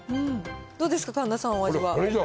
どうですか、神田さん、お味は。